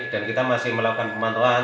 dan kita masih melakukan pemanahuan